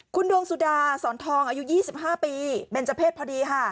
คุณดวงสุดาสอนทองอายุ๒๕ปีเบนเจอร์เพศพอดีค่ะ